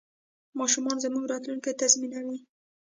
ماشومان زموږ راتلونکی تضمینوي.